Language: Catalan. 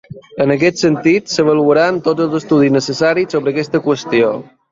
En aquest sentit, s’avaluaran tots els estudis necessaris sobre aquesta qüestió.